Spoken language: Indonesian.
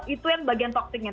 itu yang bagian toxicnya